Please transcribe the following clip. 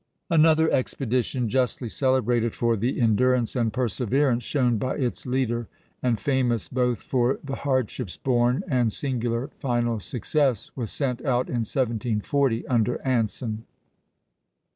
Another expedition, justly celebrated for the endurance and perseverance shown by its leader, and famous both for the hardships borne and singular final success, was sent out in 1740 under Anson.